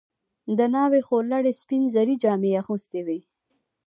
د ناوې خورلڼې سپین زري جامې اغوستې وې.